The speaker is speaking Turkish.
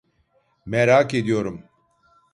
Merak ediyorum.